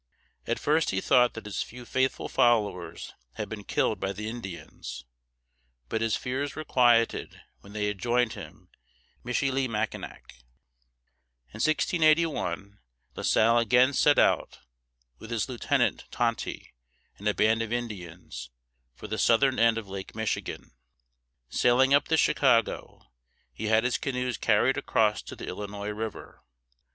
At first he thought that his few faithful followers had been killed by the Indians, but his fears were quieted when they joined him at Michilimackinac. In 1681 La Salle again set out, with his lieutenant Ton´ty and a band of Indians, for the southern end of Lake Michigan. Sailing up the Chicago, he had his canoes carried across to the Illinois River.